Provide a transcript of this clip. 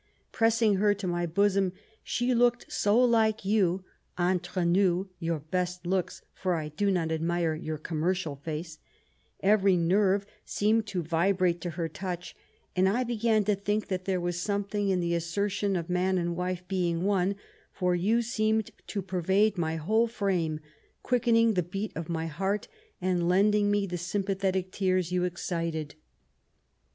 Pressing her to my bosom, she looked so like you (entre nous, your best looks, for I do not admire your conmiercial face), every nerve seemed to vibrate to her touch, and I began to think that there was something in the assertion of man and wife being one, for you seemed to pervade my whole frame, quickening the beat of my heart, and lending me the sympathetic tears you excited.